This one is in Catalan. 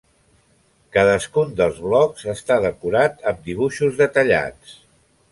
Cadascun dels blocs està decorat amb dibuixos detallats.